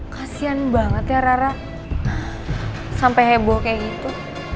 kasian banget ya rara sampai heboh kayak gitu